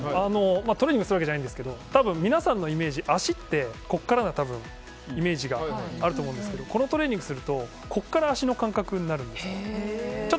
トレーニングをするわけじゃないんですけど多分、皆さんのイメージ脚ってここからなイメージがあると思うんですけどこのトレーニングをするとここから脚の感覚になるんです。